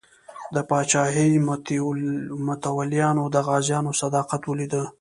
د پاچاهۍ متولیانو د غازیانو صداقت ولیدو.